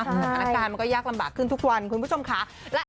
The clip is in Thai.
สถานการณ์มันก็ยากลำบากขึ้นทุกวันคุณผู้ชมค่ะ